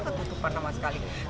tidak ada ketutupan nama sekali